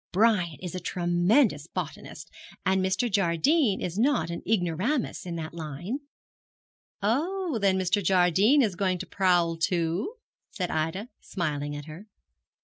Brian is a tremendous botanist, and Mr. Jardine is not an ignoramus in that line.' 'Oh, then Mr. Jardine is going to prowl too?' said Ida, smiling at her.